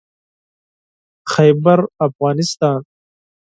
خيبرافغانستان